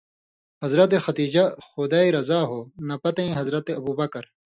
حضرت خدیجہ (خُدائے رضا ہو) نہ پتَیں حضرت ابوبکر،